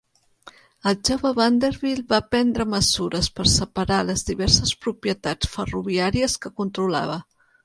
El jove Vanderbilt va prendre mesures per a separar les diverses propietats ferroviàries que controlava.